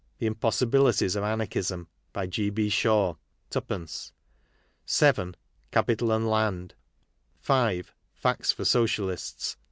The Impossibilities ol Anarchism. By G. B. Shaw. ad. 7. Capital and Land. 5. Facts for Socialists.